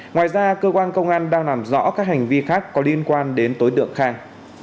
ngoài ra cơ quan công an đang làm rõ các hành vi khác có liên quan đến đối tượng khang